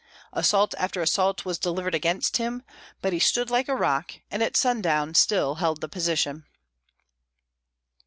Assault after assault was delivered against him, but he stood like a rock, and at sundown still held the position.